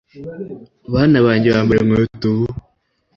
bana banjye bambara inkweto vuba